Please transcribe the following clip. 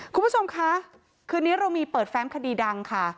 คุณผู้ชมคะคืนนี้เรามีเปิดแฟ้มคดีดังค่ะ